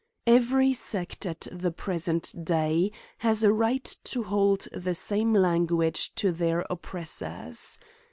Every sect at the present day has a right to hold the same language to their oppressors.